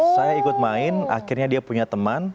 saya ikut main akhirnya dia punya teman